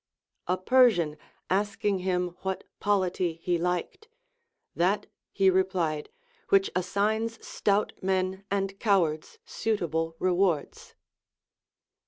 A Persian asking him what polity he liked, That, he replied, which assigns stout men and cowards suit able rewards.